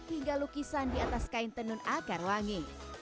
hingga lukisan di atas kain tenun akar wangi